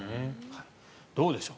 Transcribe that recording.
どうでしょう